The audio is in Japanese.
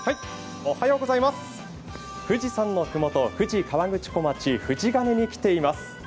富士山のふもと、富士河口湖町富士ヶ嶺に来ています。